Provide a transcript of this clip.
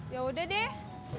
ya udah deh